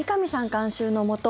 監修のもと